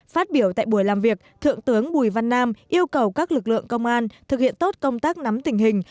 phát biểu tại buổi làm việc thượng tướng bùi văn nam yêu cầu các lực lượng công an thực hiện tốt công tác nắm tình hình